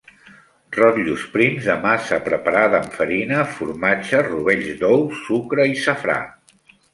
Rotllos prims de massa preparada amb farina, formatge, rovells d'ou, sucre i safrà.